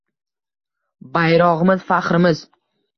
Bayrog‘imiz – faxrimiz